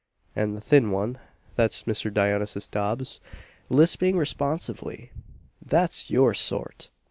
and the "thin one" (that's Mr. Dionysius Dobbs) lisping responsively "That's your sort!